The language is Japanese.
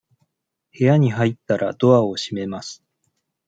部屋に入ったら、ドアを閉めます。